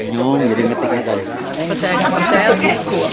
gak ingin jadi metiknya guys